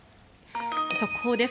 速報です。